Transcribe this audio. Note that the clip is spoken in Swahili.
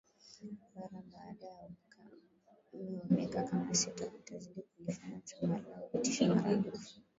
Bara baada ya ukame wa miaka kama sita kutazidi kulifanya chama lao litishe maradufu